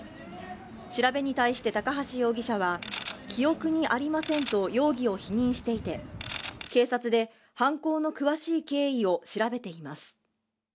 調べに対して高橋容疑者は記憶にありませんと容疑を否認していて警察で犯行の詳しい経緯を調べています